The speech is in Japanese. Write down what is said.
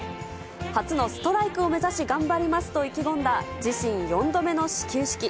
初のストライクを目指し、頑張りますと意気込んだ自身４度目の始球式。